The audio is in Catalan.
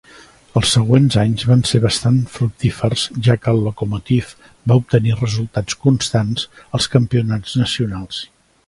Els següents anys van ser bastant fructífers ja que el Lokomotiv va obtenir resultats constants als campionats nacionals.